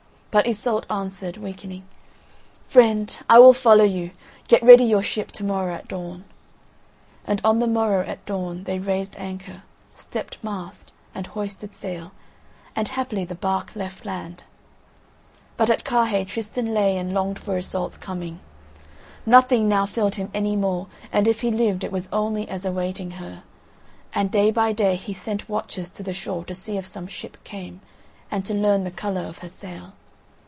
But Iseult answered, weakening: "Friend, I will follow you; get ready your ship to morrow at dawn." And on the morrow at dawn they raised anchor, stepped mast, and hoisted sail, and happily the barque left land. But at Carhaix Tristan lay and longed for Iseult's coming. Nothing now filled him any more, and if he lived it was only as awaiting her; and day by day he sent watchers to the shore to see if some ship came, and to learn the colour of her sail.